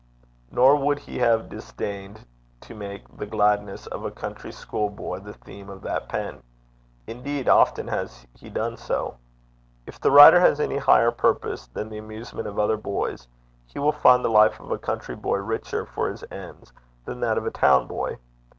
Nor would he have disdained to make the gladness of a country school boy the theme of that pen. Indeed, often has he done so. If the writer has any higher purpose than the amusement of other boys, he will find the life of a country boy richer for his ends than that of a town boy.